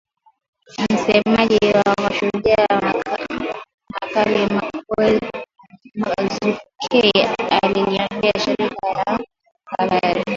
Msemaji wa Shujaa Kanali Mak Hazukay aliliambia shirika la habari